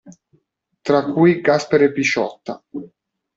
Tra cui Gaspare Pisciotta.